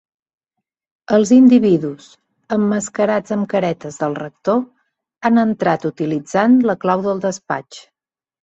Els individus, emmascarats amb caretes del rector, han entrat utilitzant la clau del despatx.